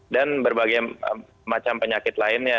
dan berbagai macam penyakit lainnya